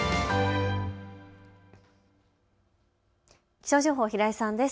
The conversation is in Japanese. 気象情報、平井さんです。